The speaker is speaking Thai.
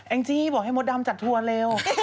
งจี้บอกให้มดดำจัดทัวร์เร็ว